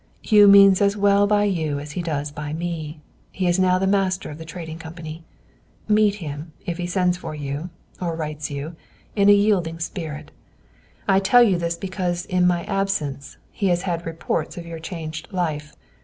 Hugh means as well by you as he does by me. He is now the master of the Trading Company. Meet him, if he sends for you, or writes you, in a yielding spirit. I tell you this because, in my absence, he has had reports of your changed life.